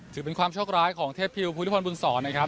ถือเป็นความโชคร้ายของเทพพิวภูริพรบุญศรนะครับ